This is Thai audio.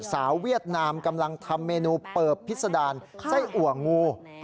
เวียดนามกำลังทำเมนูเปิบพิษดารไส้อัวงู